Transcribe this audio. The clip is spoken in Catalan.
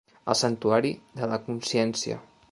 El santuari de la consciència.